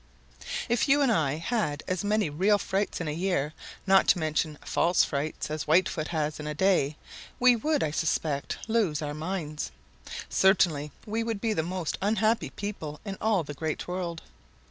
If you and I had as many real frights in a year, not to mention false frights, as Whitefoot has in a day, we would, I suspect, lose our minds. Certainly we would be the most unhappy people in all the Great World.